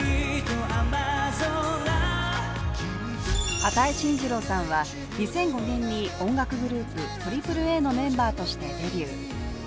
與真司郎さんは２００５年に音楽グループＡＡＡのメンバーとしてデビュー。